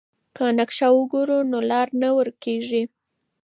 که نقشه وګورو نو لار نه ورکيږي.